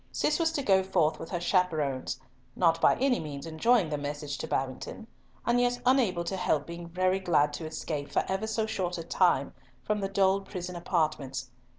Cis was to go forth with her chaperons, not by any means enjoying the message to Babington, and yet unable to help being very glad to escape for ever so short a time from the dull prison apartments.